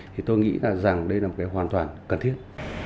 thì tôi nghĩ rằng đây là một cái hoàn toàn cần thiết